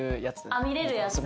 あっ見れるやつ。